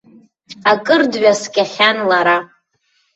Акыр дҩаскьахьан лара.